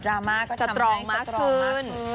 ดราม่าก็ทำให้สตรองมากขึ้น